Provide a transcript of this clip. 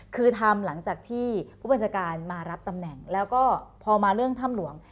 คือทำหลังจากที่ผู้บัญชาการมารับตำแหน่งแล้วก็พอมาเรื่องถ้ำหลวง